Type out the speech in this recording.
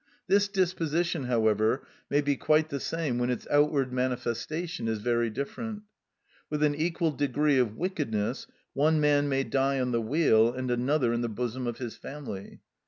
This disposition, however, may be quite the same when its outward manifestation is very different. With an equal degree of wickedness, one man may die on the wheel, and another in the bosom of his family.